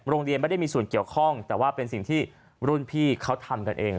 โรงเรียนไม่ได้มีส่วนเกี่ยวข้องแต่ว่าเป็นสิ่งที่รุ่นพี่เขาทำกันเอง